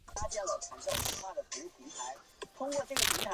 普龙勒鲁瓦。